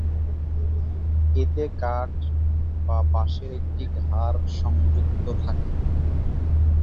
এতে কাঠ বা বাঁশের একটি ঘাড় সংযুক্ত থাকে।